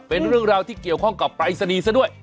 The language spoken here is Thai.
เป็นเรื่องราวที่เกี่ยวข้องกับปรายศนีย์ซะด้วย